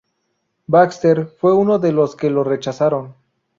Baxter fue uno de los que lo rechazaron.